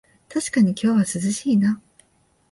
たしかに今日は涼しいな